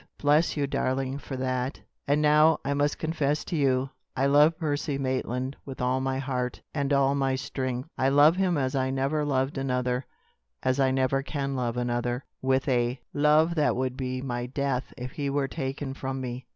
"Bless you, darling, for that!" "And now, I must confess to you, I love Percy Maitland with all my heart, and all my strength. I love him as I never loved another as I never can love another with a love that would be my death if he were taken from me.